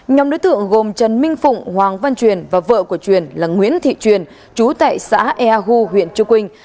nhóm đối tượng gồm trần minh phụng hoàng văn truyền và vợ của truyền là nguyễn thị truyền chú tại xã eahu huyện triều quynh